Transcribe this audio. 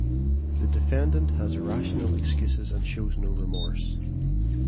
The defendant has irrational excuses and shows no remorse.